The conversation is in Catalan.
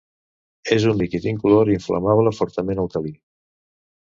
És un líquid incolor inflamable fortament alcalí.